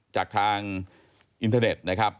จากทางอินเทอร์เน็ตนะครับ